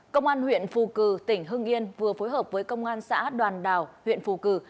công an huyện phù cử tỉnh hưng yên vừa phối hợp với công an xã đoàn đào huyện phù cử